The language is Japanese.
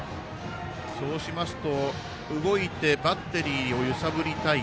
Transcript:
そうしますと動いてバッテリーを揺さぶりたい。